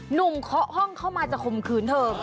เคาะห้องเข้ามาจะข่มขืนเธอ